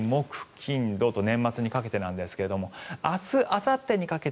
金土と年末にかけてなんですが明日あさってにかけて